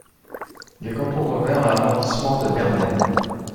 Les cantons revinrent à l'arrondissement de Bernay.